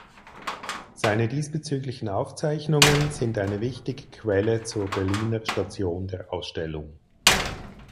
Seine diesbezüglichen Aufzeichnungen sind eine wichtige Quelle zur Berliner Station der Ausstellung.